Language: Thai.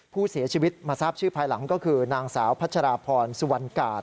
ผู้เสียชีวิตมาทราบชื่อภายหลังก็คือนางสาวพัชราพรสุวรรณกาศ